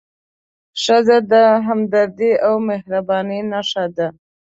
ښځه د همدردۍ او مهربانۍ نښه ده.